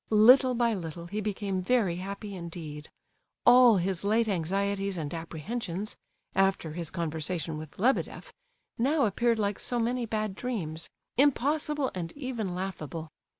Little by little he became very happy indeed. All his late anxieties and apprehensions (after his conversation with Lebedeff) now appeared like so many bad dreams—impossible, and even laughable.